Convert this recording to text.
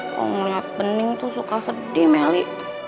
kalau ngeliat bening itu suka sedih meli